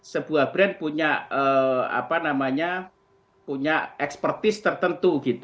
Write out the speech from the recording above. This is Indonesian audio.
sebuah brand punya ekspertis tertentu